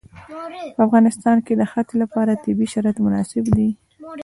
په افغانستان کې د ښتې لپاره طبیعي شرایط مناسب دي.